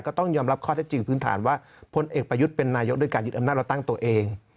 ก็ต้องยอมรับข้อเท็จจริงพื้นฐานว่าพลเอกประยุทธ์เป็นนายกด้วยการยึดอำนาจแล้วตั้งตัวเอง